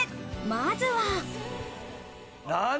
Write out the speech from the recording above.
まずは。